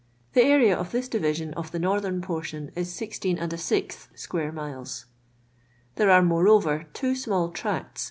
I The area of this division of tlio northern ptr tion is IG^ square miles. I There are, moreover, two small tracts.